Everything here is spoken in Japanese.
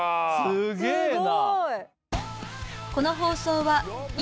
すげえな。